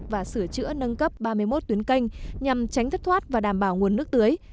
và sửa chữa nâng cấp ba mươi một tuyến canh nhằm tránh thất thoát và đảm bảo nguồn nước tưới